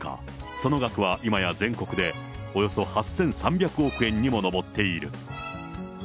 その額は、いまや全国でおよそ８３００億円にも上っている。